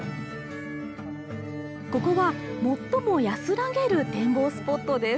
ここは最も安らげる展望スポットです。